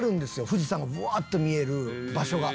富士山がぶわっと見える場所が。